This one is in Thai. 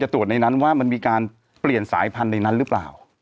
ตรวจในนั้นว่ามันมีการเปลี่ยนสายพันธุ์ในนั้นหรือเปล่า